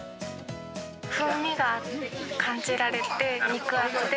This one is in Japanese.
風味が感じられて、肉厚で、